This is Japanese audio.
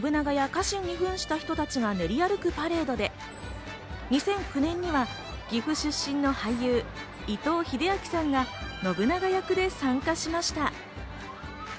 信長や家臣に扮した人たちが練り歩くパレードで、２００９年には岐阜出身の俳優・伊藤英明さんが、信長役で参加しました。